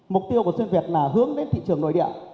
mục tiêu của xuyên việt là hướng đến thị trường nội địa